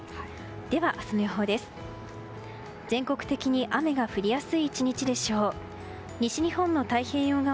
では、明日の予報です。